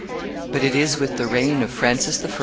But it is with the reign of Francis I.